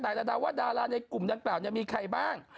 ดาเดาว่าดาราในกลุ่มดังกล่าวมีใครบ้าง